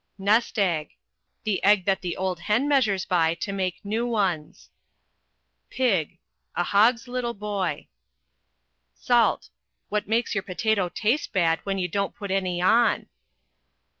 Nest Egg The egg that the old hen measures by, to make new ones. Pig A hog's little boy. Salt What makes your potato taste bad when you don't put any on.